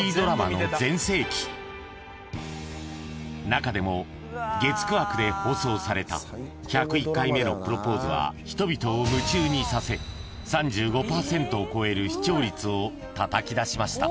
［中でも月９枠で放送された『１０１回目のプロポーズ』は人々を夢中にさせ３５％を超える視聴率をたたき出しました］